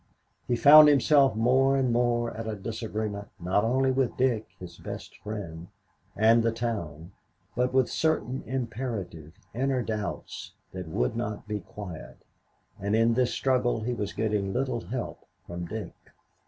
He found himself more and more at disagreement not only with Dick, his best friend, and the town, but with certain imperative, inner doubts that would not be quiet, and in this struggle he was getting little help from Dick.